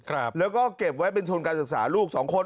แล้วก็เก็บไว้เป็นชนการศึกษาลูก๒คน